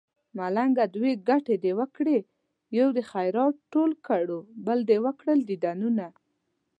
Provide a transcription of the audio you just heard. ملنګه دوه ګټې دې وکړې يو دې خير ټول کړو بل دې وکړل ديدنونه